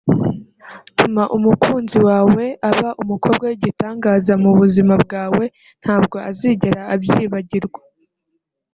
tuma umukunzi wawe aba umukobwa w’igitangaza mu buzima bwawe ntabwo azigera abyibagirwa